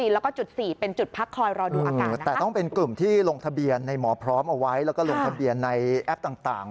ลงทะเบียนในหมอพร้อมเอาไว้แล้วก็ลงทะเบียนในแอปต่าง